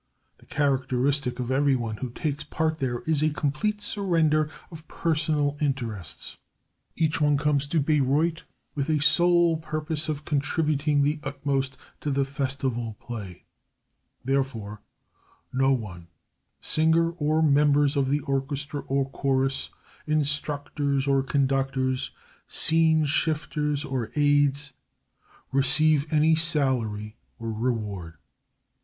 The characteristic of everyone who takes part there is a complete surrender of personal interests. Each one comes to Bayreuth with a sole purpose of contributing the utmost to the festival play. Therefore, no one, singer or members of the orchestra or chorus, instructors or conductors, scene shifters or aides, receive any salary or reward.